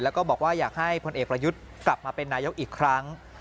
แล้วก็บอกว่าอยากให้พลเอกประยุทธ์กลับมาเป็นนายกอีกครั้ง